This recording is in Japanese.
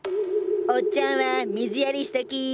おっちゃんは水やりしとき。